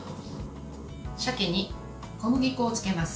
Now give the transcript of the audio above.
鮭に小麦粉をつけます。